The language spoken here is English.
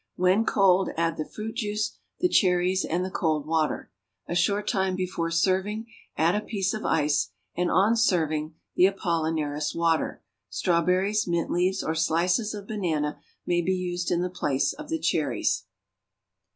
When cold add the fruit juice, the cherries and the cold water. A short time before serving, add a piece of ice, and, on serving, the Apollinaris water. Strawberries, mint leaves, or slices of banana may be used in the place of the cherries.